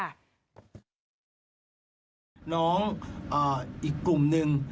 อ่าฟังเสียงพี่ป๋องซะนิดหนึ่งค่ะน้องอ่าอีกกลุ่มหนึ่ง